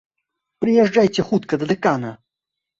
Прыязджайце хутка да дэкана!